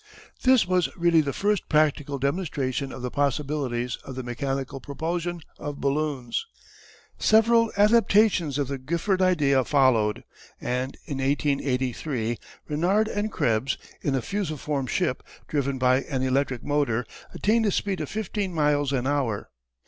This was really the first practical demonstration of the possibilities of the mechanical propulsion of balloons. Several adaptations of the Giffard idea followed, and in 1883 Renard and Krebs, in a fusiform ship, driven by an electric motor, attained a speed of fifteen miles an hour.